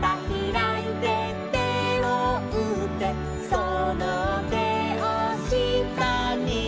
「そのてをしたに」